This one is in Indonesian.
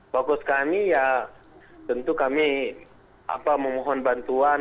fokus kami ya tentu kami memohon bantuan